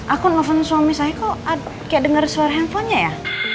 aku nelfon suami saya kok kayak denger suara handphonenya ya